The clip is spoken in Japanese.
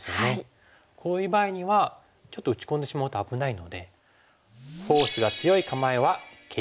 こういう場合にはちょっと打ち込んでしまうと危ないので。